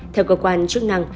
theo cơ quan chức năng